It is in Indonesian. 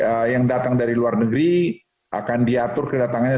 ada yang datang dari luar negeri akan diatur kedatangannya